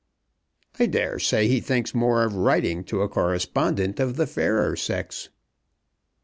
"I dare say he thinks more of writing to a correspondent of the fairer sex."